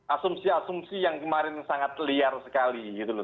asumsi asumsi yang kemarin sangat liar sekali gitu loh